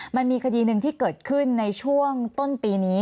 มันมีคดีหนึ่งที่เกิดขึ้นในช่วงต้นปีนี้